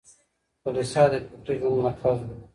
کليسا د فکري ژوند مرکز و.